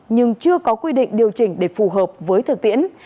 nhưng chưa có quy định điều chỉnh để phù hợp với thực tiễn